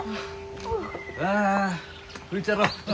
ああ拭いちゃろう。